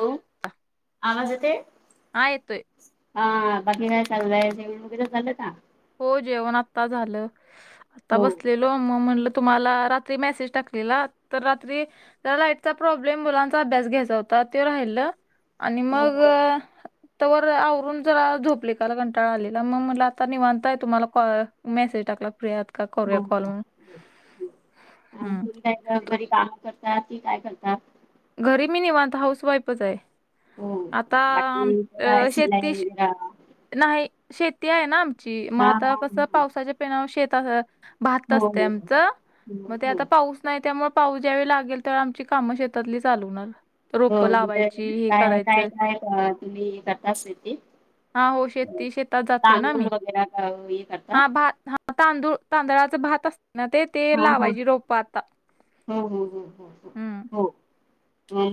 हो आवाज येते. हा येतोय हा बाकी काय चाललंय जेवण तर झालं मका? हो जेवण आता झालं आता हो. बसले. मग मी म्हटलं तुम्हाला रात्री मेसेज टाकलेला तर रात्री तर लाईटचा प्रॉब्लेम मुलांचा अभ्यास घ्यायचा होता ते राहिल. आणि हो मग हो. तर वर आवरून जरा झोपली काल घंटाळा आलेला मग म्हट आता निवां तुम्हाला कॉल मेसेज टाकला फिर्याद ह हम्म तुम्ही काय घरी कामं करता की काय करता. घरी मी निवांत आहे हाऊस वाईफच आहे हो हो आता बाकी काय शिलाई शेतीशी वगैरे नाही शेती आहे ना आमची मग हा आता हा कस पावसाच्या पिण्यावर शेत भात हो असते हो हो. आमचं मग हो ते आता हो पाऊस नाही त्यामुळे पाऊस ज्यावेळी लागेल तेव्हा आमची कामं शेतातली चालू होणार हो रोपं म्हणजे लावायची हे काय काय करायचं काय तुम्ही करत असता ते हा हो शेती शेतात जातोय ना मी वगैरे का हे करता? हा भात तांदूळ तांदळाच भात असते ना ते ते हा हा लावायची रोप आता हो हो हो हो हम्म हो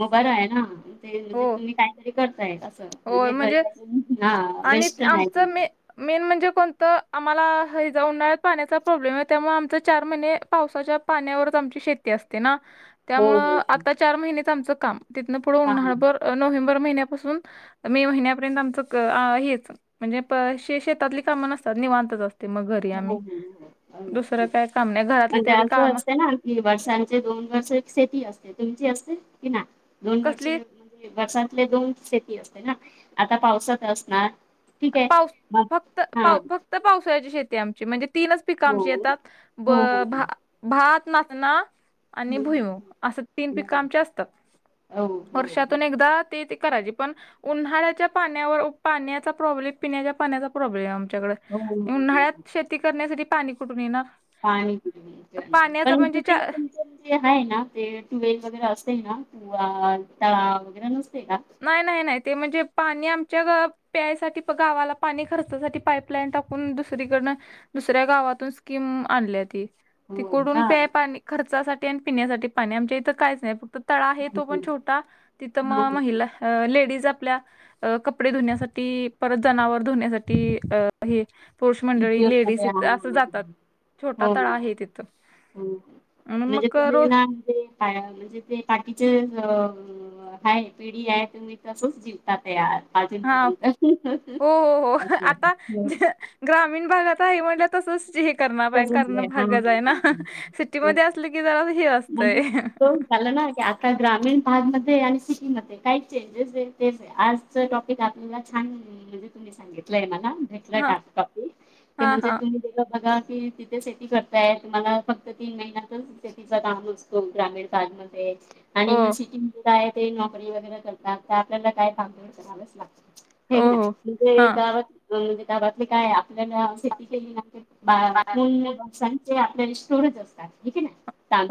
मग बरं आहे ना ते म्हणजे हो तुम्ही काहीतरी करताय अससं म्हणजे घरीबसून हा आणि वेस्टर्न आहे आमचं तुम्ही मे मेन म्हणजे कोणतं आम्हाला ह उन्हाळ्यात पाण्याचा प्रॉब्लेम आहे त्यामुळे आमच चार महिने पावसाच्या पाण्यावरच आमची शेती असते ना. हो हो त्यामुळं हो आता चार महिनेच आमचं काम तिथन पुढं काम उन्हाळभर नोव्हेंबर महिन्यापासून मे महिन्यापर्यंत आमचं हेच म्हणजे प शेतातली कामं नसतात निवांतच असतात. ते मग घरी हो आम्ही हो हो हो दुसरं हो. काय काम नाही घरातली म्हणजे तेवढी असं काम असते ना वर्षांचे दोन वर्ष एक शेती असते तुमची असते कि ना दोन वर्ष कसली वर्षातले दोन शेती असते ना आता पावसात असणार. ठीक आहे पाऊ मग फक्त हा पा फक्त फक्त पावसाळ्याची शेती आमची म्हणजे तीनच पिकं हो आमची येतात ब हो हो हो भा भात नाचणा हं, आणि हं, भुईमूग असे तीन पिक हं. आमचे असतात हो हो हो हो वर्षातून एकदा ते करायची पण उन्हाळ्याच्या पाण्यावर पाण्याचा प्रॉब्लेम पिण्याच्या पाण्याचा प्रॉब्लेम आमच्याकडे हो, हो, हो, हो. उन्हाळ्यात शेती करण्यासाठी पाणी कुठून येणार. पाणी पाण्याचा म्हणजे पिते काय चा तुमचं? आहे ना ते टुवेल वगैरे असते ना तू तळा वगैरे नसते ना. नाही नाही नाही ते म्हणजे पाणी आमच्या प्यायसाठी प गावाला पाणी खर्चासाठी पाईपलाईन टाकून दुसरीकडनं दुसऱ्या गावातून स्कीम आणली ती हो तिकडून का प्या पाणी खर्चासाठी आणि पिण्यासाठी पाणी आमच्या इथं काहीच नाही. तळा आहे तो पण छोटा तिथं म हा महिला लेडीज आपल्या कपडे धुण्यासाठी परत जनावर धुण्यासाठी हे पुरुष मंडळी उद्योगमध्ये लेडीज हा असं जातात. छोटा हो तळा हो आहे तिथं आणि म्हणजे मग तुम्ही रोज ना म्हणजे ते काकीचे हाय पिढी आहे तुम्ही तसंच जिंतात यार आजीनं हा पर्यंत हो हो हो अस आता य हो. जे- ग्रामीण भागात हाय म्हणल्यावर तसच जी करणा पाय तसच करण आहे हा भागच आहे ना सिटी तेच मध्ये असल की जरा हे म्हणजे असतंय. तो झालं ना की आता ग्रामीण भागमध्ये आणि सिटीमध्ये काय चेंजेस आहे तेच ये आजच टॉपिक आपल्याला छान म्हणजे तुम्ही सांगितलंय मला भे [unintelligible] हा टॉपिक ते हा म्हणजे हा तुम्ही दे ग बघा ती तिथे शेती करताय तुम्हाला फक्त तीन महिन्यातचं शेतीचा काम असतो ग्रामीण भाग मध्ये मध्ये हो आणि सिटीमध्ये काय ते नोकरी वगैरे करतात तर आपल्याला काय भागदौड करावच लागतं. हाय हो की ना हो म्हणजे हा गावात अ म्हणजे गावातले काय आपल्याला शेती केली ना की बा फुल बॉक्सांचे आपले स्टोरज असतात हाय की नाय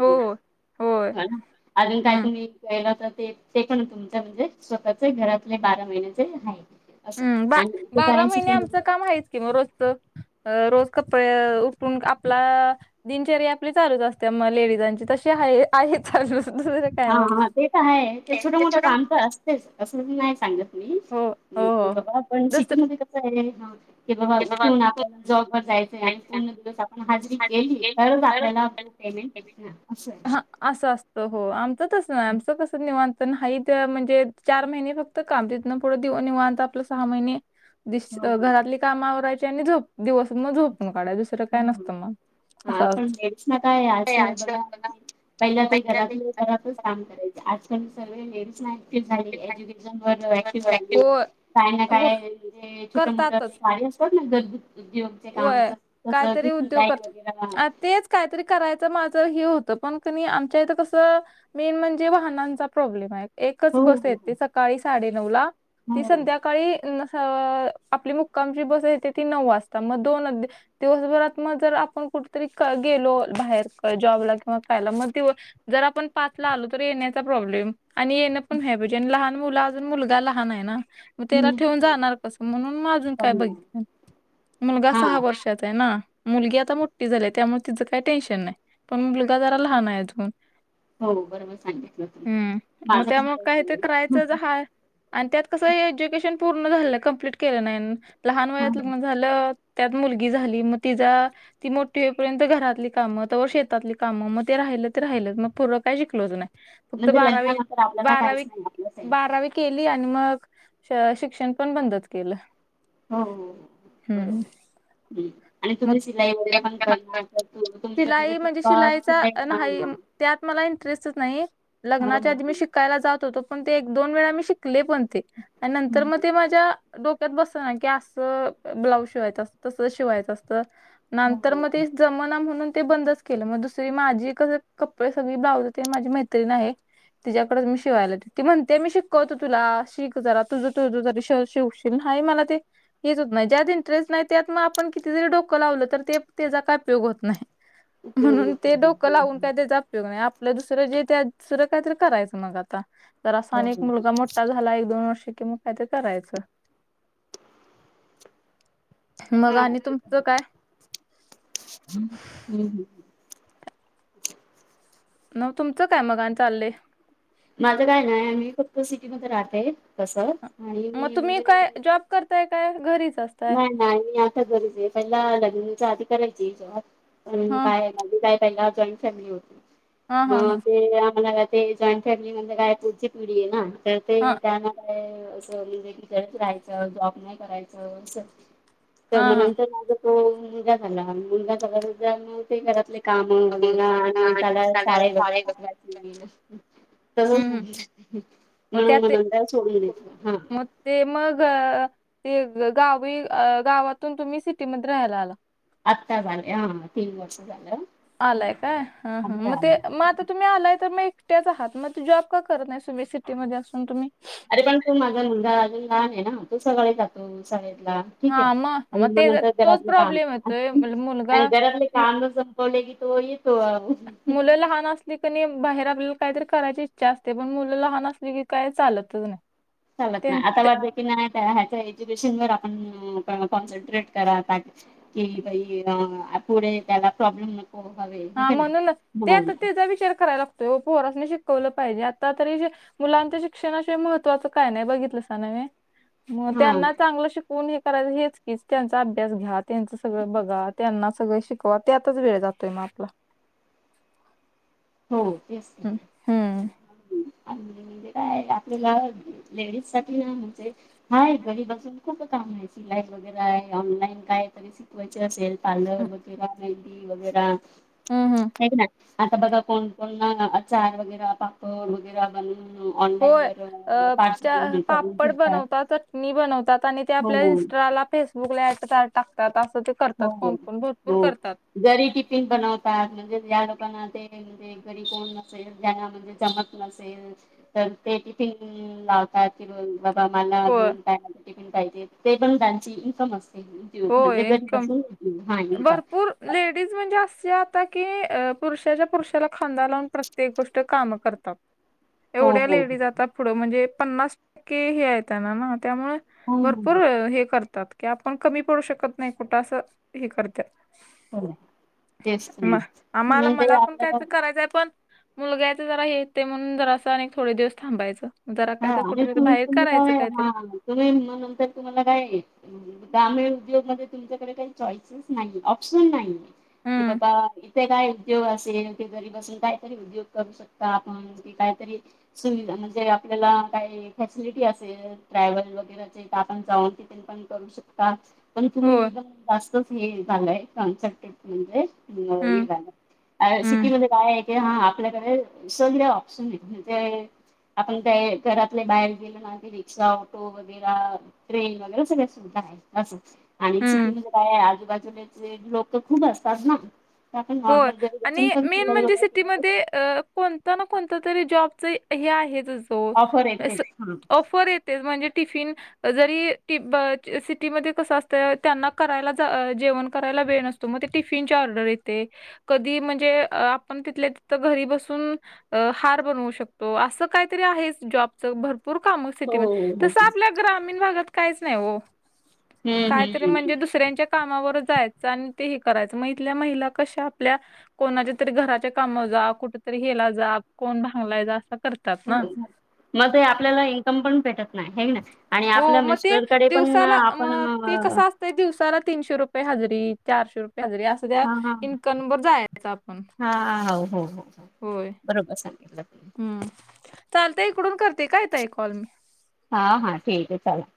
हो हो होय ह ना अजून काय हम्म तुम्ही केलं त ते ते पण तुमचं म्हणजे स्वतःचे घरातले बारा महिन्याचे हाय. हम्म बा बारा महिने आमचं काम हाहेच की म रोजचं अ रोज कपर उठून आपला दिनचऱ्या आपली चालूच असते मग लेडीजांची तशी हाय आहे चालू दुसर हा हा ते त आहे ते छोट मोठं काम तर असतेच असं मी नाय सांगत. हो हो हो [unintelligible] बाबा पण दुसरं सिटीमध्ये कस हाय ते बाबा उठून आपल्याला जॉबवर जायचंय आणि पूर्ण दिवस आ पण हजरी केली तरच आपल्याला तो पेमेंट मिळणार असंय. हां, असं असतं हो आमचं तस नाय आमचं कस निवांत तन हाईत म्हणजे चार महिने फक्त काम तिथंन पुढं दि निवांत आपलं काम सहा महिने दिस हो अ हो. घरातली कामं आवरायची आणि झोप दिवस मग झोपून काढायचं दुसरं काय नस हं. हा पण लेडीजना काय असं बघा की पहिला ते घरातल घरातच काम करायचं आजकाल सर्व लेडीज ना ऍक्टिव्ह झाली एज्युकेशन वर ऍक्टिव्ह झाली. हो, काय ना हो काय म्हणजे छोटं मोठं ते करतातच. काही असतात ना घरगु उद्योग ते होय. कामच जसं की काहीतरी उद्योग कर शिलाई वगैरा हा आ तेच कायतरी करायचं माझं हे होतं पण कणी आमच्या इथं कसं मेन म्हणजे वाहनांचा प्रॉब्लेम हाय. एकच हो बस येते हो सकाळी साडे नऊला ती संध्या काळी न स आपली मुक्कामची बस येते ती नऊ वाजता म दोन दे दिवसभरात म जर आपण कुठतरी क गेलो बाहेर जॉबला किंवा कायला मग दिव जर आपण पाचला आलो तर येण्याचा प्रॉब्लेम. आणि येणं पण हाय म्हणजे लहान मुलं अजून मुलगा लहान आहे ना. म त्याला हम्म ठेवून जाणार कसं म्हणून म अजून काय हम्म. बघितलं ना. मुलगा हा सहा वर्षाचा हाय ना मुलगी आता मोठी झाली त्यामुळ तिज काय टेन्शन नाय. पण मी मुलगा जरा लहान आहे अजून हो बरोबर सांगितलं तुम्ही हम्म मग माझं त्यामुळे काय ते पण करायचं ज [unintelligible] हाय आणि त्यात कसं एज्युकेशन पूर्ण झालं नं कंप्लीट केलं नाय लहान हा वयात लग्न झालं त्यात मुलगी झाली मग तिजा ती मोठी होईपर्यंत घरातली कामं तवर शेतातली कामं मग ते राहिलं ते राहिलंच मग पुरं काय शिकलोच नाय. फक्त नंतर बारावी लग्नानंतर आपल्याला काहीच बारावी नाही आपलं साईड. बारावी केली आणि मग श शिक्षण पण बंदच केलं. हो हो हो. हम्म. बरोबर हम्म आणि मग तुम्ही सिलाई वगैरे पण करणार त तुमचं म्हणजे शिलाई [unintelligible] सिलाई बी शिलाईचा नाई नाही होणार. त्यात मला इंटरेस्टच नाही लग्नाच्या हो आधी हो मी शिक कायला जात होतो पण ते एक दोन वेळा मी शिकले पण ते आणि नंतर हम्म मग ते माझ्या डोक्यात बस ना की असं ब्लाऊज शिवायचं असतं तसं शिवायचं असतं. हो नंतर हो मग ते जमना म्हणून ते बंदच केलं मग दुसरी माझी कसं कपडे सगळी ब्लाउज तेन माझी मैत्रीण आहे तीज्याकडच मी शिवायला देते ती म्हणते मी शिकवतो तुला शिक जरा तुझं तुझं जरी श शिव. नाही मला ते [unintelligible] न्हाय ज्यात इंटरेस्ट नाही त्यात मग आपण किती जरी डोकं लावलं तर ते त्याचा काय उपयोग होत न्हाय ते म्हणून होत ते नाही डोकं हम्म, लावून हम्म. काय त्याजा अपयोग नाही आप ल दुसरं जे त्या दुसरं कायतरी करायचं मग आता. जरासं हो आणि एक हो हो. मुलगा मोठा झाला एक दोन वर्ष कि म काहीतरी करायचं मग हा आणि तुमचं हम्म काय? [unintelligible] म तुमचं काय मगान चाललंय? माझं काय नाय मी फक्त सिटी मध्ये राहते, कसं मग तुम्ही काय जॉब करताय काय? घरीच अस नाही, नाही मी आता घरीच आहे पहिला लग्नाच्या आधी करायची जॉब पण हा काय म्हणजे काय पहिला जॉईंट फॅमिली होती हा हा हा मग ते आम्हाला ते जॉईंट फॅमिली म्हणजे काय पुढची पिढी आहे ना, तर हा ते त्यांना काय असं, म्हणजे तिकडेच राहायचं जॉब नाही करायचं असं. तर हा म हा नंतर माझा तो मुलगा झाला, मुलगा झाल्यानंतर ते घरातले काम वगैरा आणि त्याला शाळेला वगैरे पाठवायचे [unintelligible] तर हम्म हम्म म्हणून मग त्या म ते नंदा सोडून देत, हा मग ते मग, ते गावी, गावातून तुम्ही सिटी मध्ये राहायला आला. आत्ता झाले हा, तीन वर्ष झालं. आलाय काय! हा, हम आमच्या मे आम्ही म तुम्ही आलाय तर मग एकटयाच आहात, मग जॉब का करत नाही तुम्ही सिटी मध्ये असून तुम्ही? अरे पण तू माझा मुलगा अजून लहान आहे ना, तू सकाळे जातो शळेतला. ठीक आहे, हा मग आणि मग ते म्हणत तोच घरातले काम, प्रॉब्लेम येतोय मुल- मुलगा आणि घरातले मु- काम संपवले की तो येतो. मुलं लहान असली कनी बाहेर आपल्याला काय तरी करायची इच्छा असते, पण मुलं लहान असली की काय चालतच नाही. चालत नाय, आता ते की नाय ह्याच्या एज्युकेशन वर आपण कॉन्सन्ट्रेट करा पाहजे कि बाई पुढे त्याला प्रॉब्लेम हो, हवे हा म्हणूनच, ते आता त्येजा विचार करायला लागतोय ओ, पोरसने शिकवलं पाहिजे आता तरी हे मुलांच्या शिक्षणाशिवाय महत्वाच काय नाय, बघितलासा नव्हे. मग हा त्यांना चांगलं शिकवून हे करायच हेच की, त्यांचा अभ्यास घ्या त्यांचं सगळं बघा त्यांना सगळं शिकवा त्यातच वेळ जातोय मग [inaudible] हो, तेच हम्म हम्म की आणि म्हणजे काय आपल्याला लेडीज साठी ना म्हणजे हाय, घरी बसून खूप काम आहे सिलाई वगैरे आहे ऑनलाईन काय तरी शिकवायची असेल पार्लर, मेहंदी वैगैरा, हम्म हम्म हाय की नाय. कोण कोण ना चार वगैरे पापड वगैरे बनून होय करून पापड ठेवतात बनवतात चटणी बनवतात आणि आपल्या हो इंस्टाला फेसबुकला ट टाकतात असं ते करतात कोणकण भरपूर करतात जरी टिफिन बनवतात म्हणजे या लोकांना ते घरी कोण नसेल जना म्हणजे जमत नसेल तर ते तिफिन लाव बाबा मला होय दन ट टिफिन पाहिजे ते पण त्यांची इन्कम असते म्हे होय ग इन्कम भरपूर लेडीज म्हणजे असे आता की पुरुषाच्या पुरुषाला खांदा लावून प्रत्येक गोष्ट काम करतात ह एवढ्या लेडीज आता पुढं म्हणजे पन्नास टक्के हे येत आहे ना ना त्यामुळे हो हो भरपूर हो हे करतात की आपण कमी पडू शकत नाही कुठंं हे करत हो तेच तर म आम्हाला म्हणून ते मला पण काय आपल्याला करायचंय पण मुलगायच जरा हे ते म्हणून जरा असं अक थोडे दिवस थांबायचं जरा हा काहीतरी आणि त कुठेतरी बाहेर तुम्ही करायचं काय काहीतरी तुम्ही नंतर तुम्हाला काय ग्रामीण उद्योग मध्ये तुमच्याकडे काही चॉईसेस नाही ऑप्शन नाही कि हम्म बाबा इथे काय उद्योग असेल ते घरी बसून काय तरी उद्योग करू शकता आपण काहीतरी सुविधा म्हणजे आप आपल्याला काही फॅसिलिटी असेल ट्रॅव्हल वगैरेचे आपण जाऊन तिथे पण करू शकतो का पण तुम्ही हो एकदम जास्तच हे झालंय कॉन्स म्हणजे हम्म ह का हम्म सिटीमध्ये काय हा आपल्याकडे सगळे ऑप्शन आहेत म्हणजे आपण का घरातले बाहेर गे रिक्षा ऑटो वगैर ट्रेन वगैरे सगळ सुधा आहे असं आणि हम्म सिटी म्हणजे काय आहे आजूबाजूचे लोक खूप असतात ना तर आपण होय नॉर्मल घरी बसून आणि पण मेन सिलाई म्हणजे वगैरे केलं तर सिटीमध्ये कोणता ना कोणता तरी जॉबचा हे आहे जो ऑफर येतेच हा ऑफर य तेच म्हणजे टिफिन जरी सिटीमध्ये कस असत त्यांना करायला जेवण करायला वेळ मग ते टिफिन ऑर्डर येते कधी म्हणजे आपण तिथल्या तिथ घरी बसून हार बनवू शकतो असं काहीतरी आहे जॉबच भरपूर भरपूर काम हो सिटीमध्ये हो तसं हो आपल्या ग्रामीण भागात काहीच नाही हो हम्म कायतरी हम्म म्हणजे दुसऱ्यांच्या कामावर जायचं आणि ते करायचं मग इथल्या महिला कशा आपल्या कोणाच्या तरी घराच्या काम जा कुठेतरी हेला जा कोण भांगला जा असं करतात ना मग आपल्याला इन्कम पण भेटत नाही हे ना आणि हो आपल्या मग ते मिस्टरकडे पण दिवसाला आपण मग कसं असतंय ते दिवसाला तीनशे रुपये हजरी चारशे रुपये हजरी अस तर त्या हा हा इन्कम वर जायच आपण हा हो हो हो होय बरोबर सांगितलं हम्म चालतय इकडून करते काय ताई आहे कॉल मी हा हा ठीक आहे चालतंय